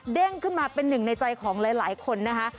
ขึ้นมาเป็นหนึ่งในใจของหลายคนนะคะ